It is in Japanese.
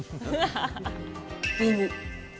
美味。